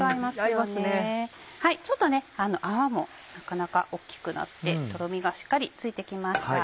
泡もなかなか大きくなってとろみがしっかりついて来ました。